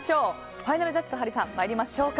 ファイナルジャッジと参りましょうか。